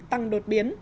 tăng đột biến